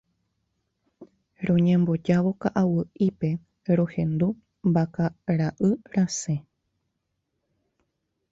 Roñembojávo ka'aguy'ípe rohendu vakara'y rasẽ.